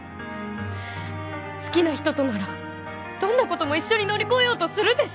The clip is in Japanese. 好きな人とならどんなことも一緒に乗り越えようとするでしょ